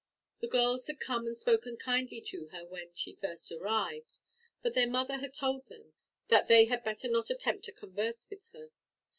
The girls had come and spoken kindly to her when she first arrived; but their mother had told them that they had better not attempt to converse with her.